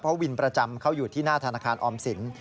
เพราะวินประจำเขาอยู่ที่หน้าธนาคารออมสิน